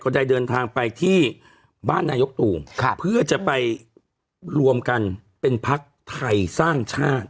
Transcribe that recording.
ได้เดินทางไปที่บ้านนายกตู่เพื่อจะไปรวมกันเป็นพักไทยสร้างชาติ